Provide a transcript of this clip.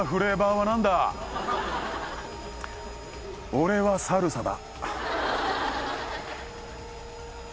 俺はサルサだ。